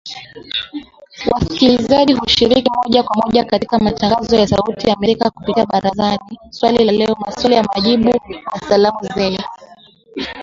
Wasikilizaji hushiriki moja kwa moja katika matangazo ya Sauti ya Amerika kupitia Barazani, Swali la Leo, Maswali na Majibu, na Salamu Zenu.